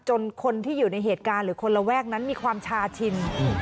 คนที่อยู่ในเหตุการณ์หรือคนระแวกนั้นมีความชาชิน